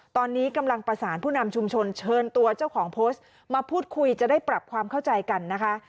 ตอนนี้กำลังประสานผู้นำชุมชนเชิญตัวเจ้าของโพสต์มาพูดคุยจะได้ปรับความเข้าใจกันนะคะ